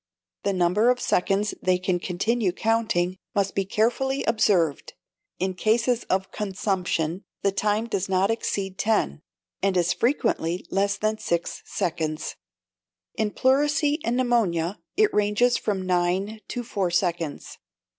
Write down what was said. The number of seconds they can continue counting must be carefully observed; in cases of consumption the time does not exceed ten, and is frequently less than six seconds; in pleurisy and pneumonia it ranges from nine to four seconds.